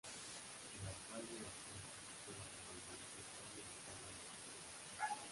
El alcalde de Atenas pasó la bandera olímpica al alcalde de Pekín.